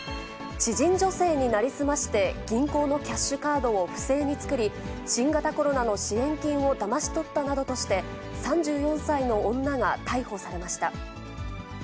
知人女性に成り済まして、銀行のキャッシュカードを不正に作り、新型コロナの支援金をだまし取ったなどとして、３４歳の女が逮捕されました。